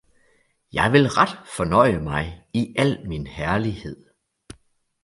Jeg vil ret fornøje mig i al min herlighed.